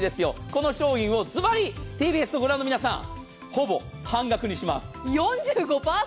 この商品をずばりＴＢＳをご覧の皆様、ほぼ半額にします。